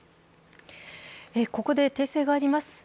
ここで訂正があります。